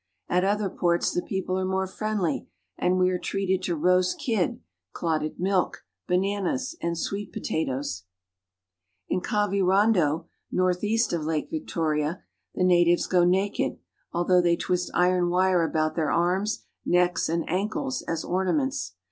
At other ports the people are more friendly, and we are treated to roast kid, clotted milk, bananas, and sweet potatoes. In Kavirondo (ka ve ron'do), northeast of Lake Victoria, the natives go naked, although they twist iron wire about their arms, necks, and ankles as ornaments.